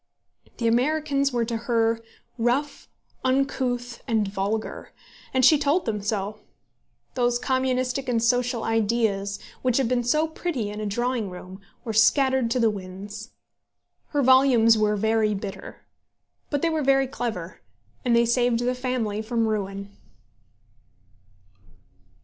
The Americans were to her rough, uncouth, and vulgar, and she told them so. Those communistic and social ideas, which had been so pretty in a drawing room, were scattered to the winds. Her volumes were very bitter; but they were very clever, and they saved the family from ruin.